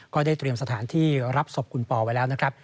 ก็ได้เตรียมสถานที่รับศพคุณปอไว้แล้วนะครับ